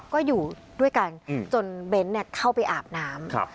ก็อยู่ด้วยกันจนเบ้นเข้าไปอาบน้ำ